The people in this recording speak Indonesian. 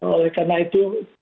oleh karena itu